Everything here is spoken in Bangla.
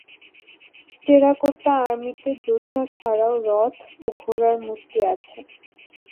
টেরাকোটা আর্মিতে যোদ্ধা ছাড়াও রথ ও ঘোড়ার মূর্তি আছে।